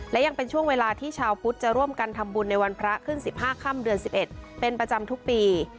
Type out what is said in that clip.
และยังเป็นช่วงเวลาที่ชาวพุทธจะร่วมกันทำบุญในวันพระขึ้น๑๕ค่ำเดือน๑๑เป็นประจำทุกปี